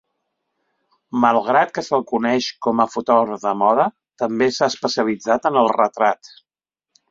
Malgrat que se'l coneix com a fotògraf de moda, també s'ha especialitzat en el retrat.